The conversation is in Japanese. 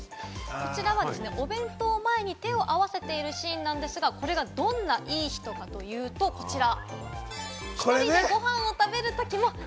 こちらはお弁当前に手を合わせているシーンなんですが、これがどんないい人かというと、こちら。